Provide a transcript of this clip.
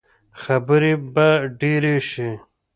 خبرې به ډېرې شي.